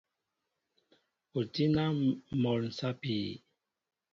O tí na mol sapi?